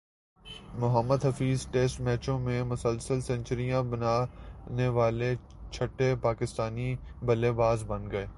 Mohammad Hafeez test میچوں میں مسلسل سنچریاںبنانیوالے چھٹے پاکستانی بلے باز بن گئے